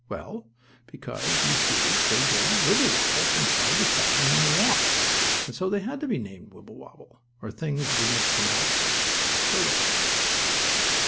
Well, because, you see they did wibblewobble from side to side when they walked, and so they had to be named Wibblewobble, or things wouldn't have come out right. So there!